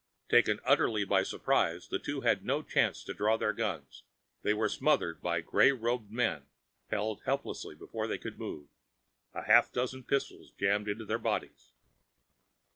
Taken utterly by surprize, the two had no chance to draw their guns. They were smothered by gray robed men, held helpless before they could move, a half dozen pistols jammed into their bodies.